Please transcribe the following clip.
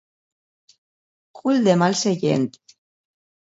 Cul de mal seient.